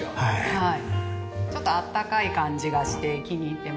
はい。